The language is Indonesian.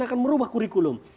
akan merubah kurikulum